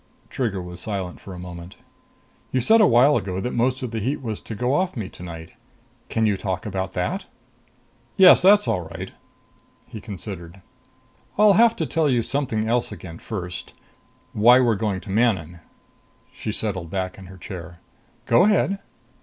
Trigger was silent a moment. "You said a while ago that most of the heat was to go off me tonight. Can you talk about that?" "Yes, that's all right." He considered. "I'll have to tell you something else again first why we're going to Manon." She settled back in her chair. "Go ahead."